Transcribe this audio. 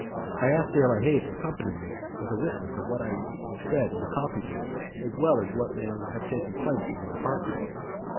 I asked De la Haye to accompany me as a witness of what I had said in the coffee room as well as of what had taken place in my apartment.